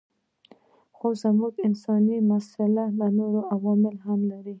خو زموږ انساني مساله نور عوامل هم لري.